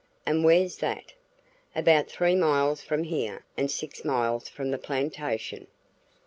"And where's that?" "About three miles from here and six miles from the plantation."